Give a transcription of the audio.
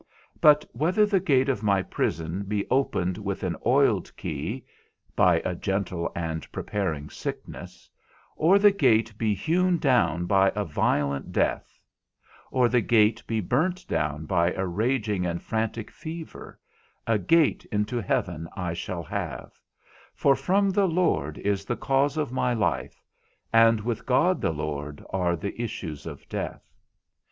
But whether the gate of my prison be opened with an oiled key (by a gentle and preparing sickness), or the gate be hewn down by a violent death, or the gate be burnt down by a raging and frantic fever, a gate into heaven I shall have, for from the Lord is the cause of my life, and with God the Lord are the issues of death.